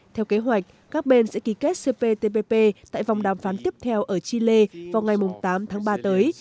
theo kế hoạch các bên sẽ ký kết cptpp tại vòng đàm phán tiếp theo ở chile vào ngày tám tháng ba tới